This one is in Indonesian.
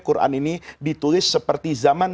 quran ini ditulis seperti zaman